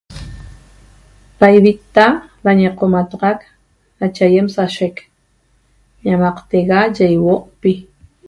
Da ivita da ñiqomataxac nache aýem sashec ñamaqtega yi ýihuo'pi